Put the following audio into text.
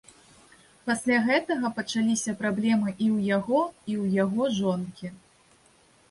Пасля гэтага пачаліся праблемы і ў яго, і ў яго жонкі.